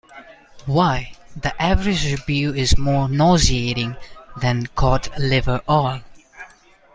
Why, the average review is more nauseating than cod liver oil.